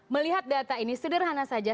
melihat data ini sederhana saja